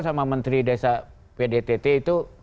sama menteri desa pdtt itu